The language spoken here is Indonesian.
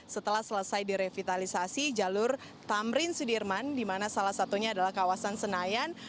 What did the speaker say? setelah selesai direvitalisasi jalur tamrin sudirman di mana salah satunya adalah kawasan senayan